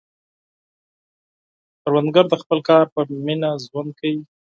کروندګر د خپل کار په مینه ژوند کوي